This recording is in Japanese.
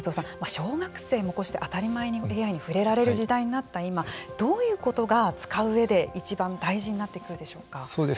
小学生も当たり前にＡＩに触れられる時代になった今どういうことが使ううえでいちばん大事になってくるでしょうか。